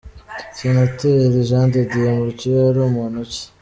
Senateri Jean De Dieu Mucyo yari muntu ki ?